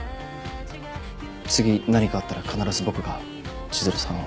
次何かあったら必ず僕が千鶴さんを。